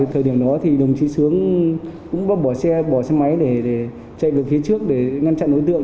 thời điểm đó thì đồng chí sướng cũng bóp bỏ xe bỏ xe máy để chạy về phía trước để ngăn chặn đối tượng